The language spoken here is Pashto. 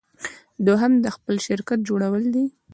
دوهم د خپل شرکت جوړول دي.